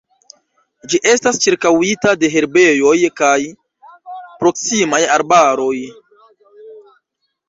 Ĝi estas ĉirkaŭita de herbejoj kaj proksimaj arbaroj.